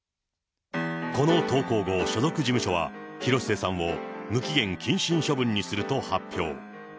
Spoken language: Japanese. この投稿後、所属事務所は、広末さんを無期限謹慎処分にすると発表。